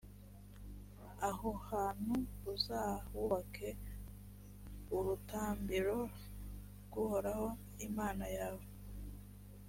aho hantu uzahubake urutambiro rw’uhoraho imana yawe,